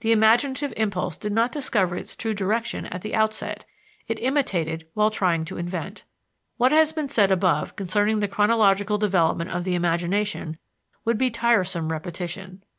The imaginative impulse did not discover its true direction at the outset; it imitated while trying to invent. What has been said above concerning the chronological development of the imagination would be tiresome repetition.